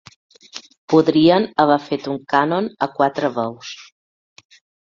Podrien haver fet un cànon a quatre veus.